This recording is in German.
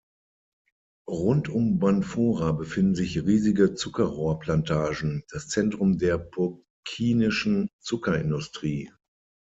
Rund um Banfora befinden sich riesige Zuckerrohrplantagen, das Zentrum der burkinischen Zuckerindustrie.